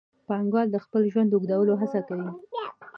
پانګوال د خپل ژوند د اوږدولو هڅه کوي